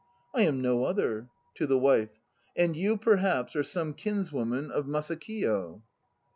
I am no other. (To the WIFE.) And you, perhaps, are some kinswoman of Masakiyo?